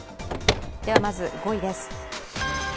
ではまず５位です。